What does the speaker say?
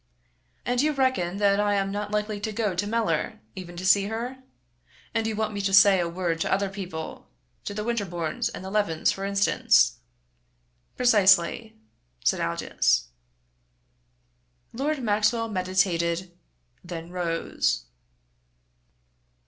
"And you reckon that I am not likely to go to Mellor, even to see her? And you want me to say a word to other people to the Winterbournes and the Levens, for instance?" "Precisely," said Aldous. Lord Maxwell meditated; then rose.